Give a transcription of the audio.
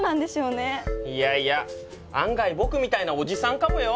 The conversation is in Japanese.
いやいや案外僕みたいなおじさんかもよ。